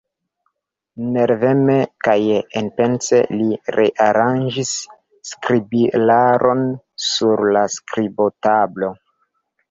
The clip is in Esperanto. Nerveme kaj enpense li rearanĝis skribilaron sur la skribotablo.